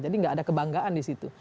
jadi gak ada kebanggaan di situ